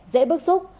dễ bức xúc